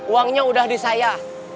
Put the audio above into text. uangnya udah di saya